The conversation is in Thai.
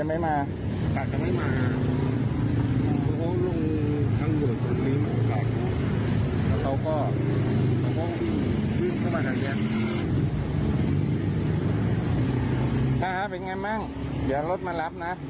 ถ้าเป็นไงมั่งเดี๋ยวรถมารับนะ